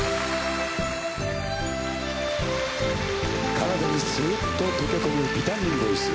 体にスーッととけ込むビタミンボイス。